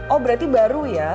oh berarti baru ya